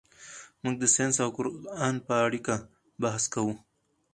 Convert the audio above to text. موږ د ساینس او قرآن په اړیکه بحث کوو.